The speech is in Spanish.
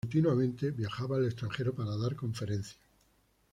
Continuamente viajaba al extranjero para dar conferencias.